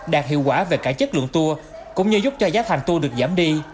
đạt hiệu quả về cả chất lượng tour cũng như giúp cho giá thành tour được giảm đi